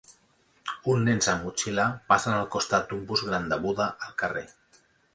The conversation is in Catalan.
Uns nens amb motxilla passen al costat d'un bust gran de Buda al carrer.